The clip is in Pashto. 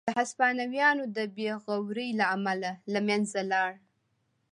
د هسپانویانو د بې غورۍ له امله له منځه لاړ.